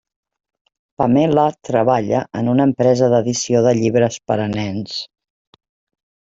Pamela treballa en una empresa d'edició de llibres per a nens.